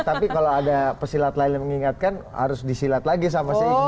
tapi kalau ada pesilat lain yang mengingatkan harus disilat lagi sama seimbang